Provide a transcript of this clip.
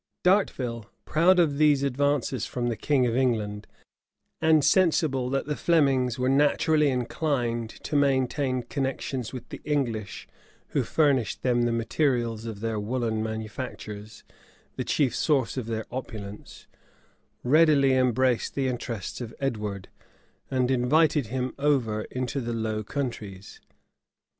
D'Arteville, proud of these advances from the king of England, and sensible that the Flemings were naturally inclined to maintain connections with the English who furnished them the materials of their woollen manufactures, the chief source of their opulence, readily embraced the interests of Edward, and invited him over into the Low Countries.